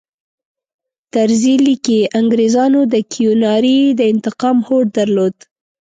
طرزي لیکي انګریزانو د کیوناري د انتقام هوډ درلود.